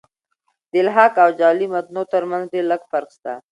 د الحاق او جعلي متونو ترمتځ ډېر لږ فرق سته.